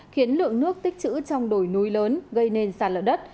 khiến lượng nước tích trữ trong đồi núi lớn gây nên sàn lở đất